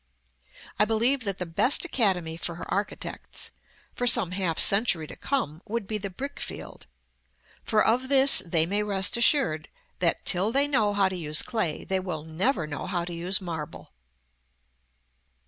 I believe that the best academy for her architects, for some half century to come, would be the brick field; for of this they may rest assured, that till they know how to use clay, they will never know how to use marble.